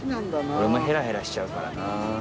俺もヘラヘラしちゃうからな。